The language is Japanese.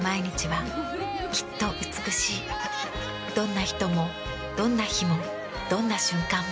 どんな人もどんな日もどんな瞬間も。